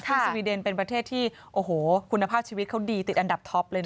ซึ่งสวีเดนเป็นประเทศที่โอ้โหคุณภาพชีวิตเขาดีติดอันดับท็อปเลยนะ